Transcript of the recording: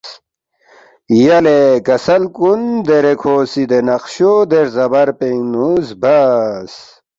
یلے کسل کُن دیرے کھو سی دے نقشو دے رزا بر پِنگ نُو زبَس